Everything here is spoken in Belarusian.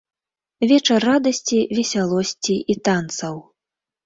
Вечар радасці, весялосці і танцаў.